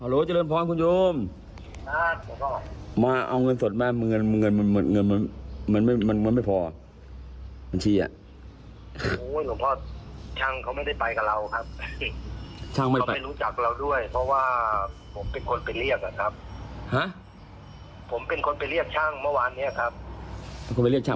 เรียกช่างเมื่อวานเนี้ยครับเอาคนไปเรียกช่าง